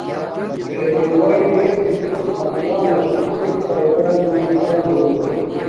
اݽݽ بوباݵل لس موں تے خنی داناشوہ کسک فایدا نو نقصان ہوگا۔